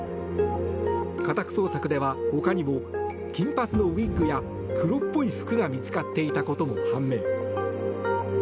家宅捜索ではほかにも金髪のウィッグや黒っぽい服が見つかっていたことも判明。